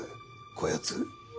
こやつ。